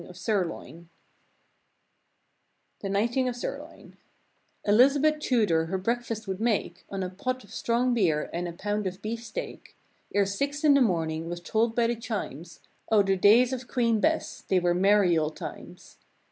The [i9] The Knighting of Sir Loin Elizabeth Tudor her breakfast would make On a pot of strong beer and a pound of beefsteak Ere six in the morning was toll'd by the chimes — Oh, the days of Queen Bess, they were merry old times!